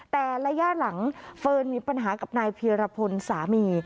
แต่ระยะหลังเฟิร์นมีปัญหากับนายเพียรพลสามี